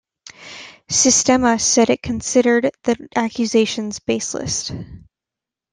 Sistema said it considered the accusations baseless.